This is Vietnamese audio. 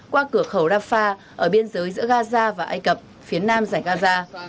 qua cửa khẩu rafah ở biên giới giữa gaza và ai cập phía nam giải gaza